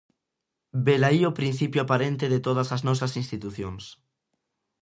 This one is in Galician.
Velaí o principio aparente de todas as nosas institucións.